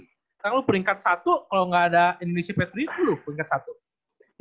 karena lu peringkat satu kalau nggak ada indonesia patri itu lu peringkat satu